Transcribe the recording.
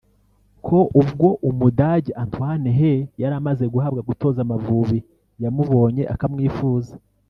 ko ubwo Umudage Antoine Hey yari amaze guhabwa gutoza Amavubi yamubonye akamwifuza